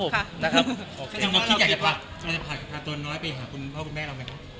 คิดอยากจะผ่าตัวน้อยไปหาคุณพ่อคุณแม่เราไหมครับ